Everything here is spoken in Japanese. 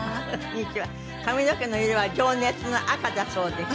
髪の毛の色は情熱の赤だそうです。